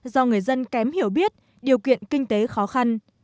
do người dân kém hiểu biết điều kiện kinh tế khó khăn